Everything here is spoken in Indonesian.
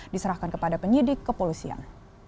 diserahkan kepada penyidik kepolisian